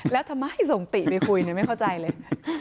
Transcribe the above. แล้วทำไมส่งติไปคุยไม่เข้าใจเลย